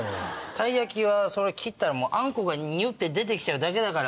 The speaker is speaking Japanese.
たい焼きは切ったらあんこがにゅって出て来ちゃうだけだから。